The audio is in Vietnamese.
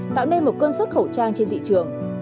tạo nên một cơn xuất khẩu trang trên thị trường